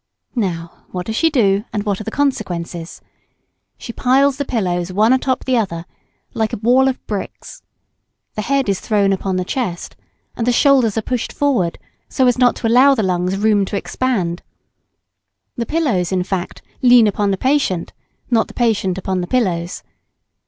Now what does she do and what are the consequences? She piles the pillows one a top of the other like a wall of bricks. The head is thrown upon the chest. And the shoulders are pushed forward, so as not to allow the lungs room to expand. The pillows, in fact, lean upon the patient, not the patient upon the pillows.